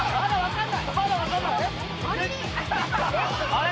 あれ？